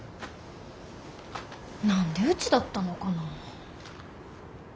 何でうちだったのかな。